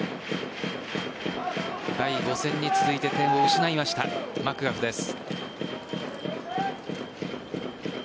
第５戦に続いて点を失いました、マクガフです。